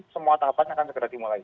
semua tahapan akan segera dimulai